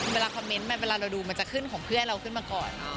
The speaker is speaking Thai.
เวลาคอมเมนต์มันจะขึ้นของเพื่อนเราขึ้นมาก่อน